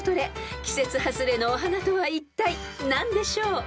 ［季節外れのお花とはいったい何でしょう？］